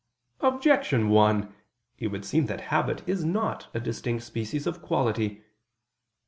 Objection 1: It would seem that habit is not a distinct species of quality.